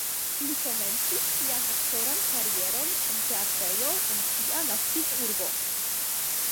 Li komencis sian aktoran karieron en teatrejo en sia naskiĝurbo.